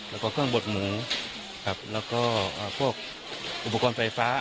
แล้วก็เครื่องบดหมูครับแล้วก็พวกอุปกรณ์ไฟฟ้า